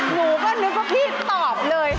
หนูก็นึกว่าพี่ตอบเลย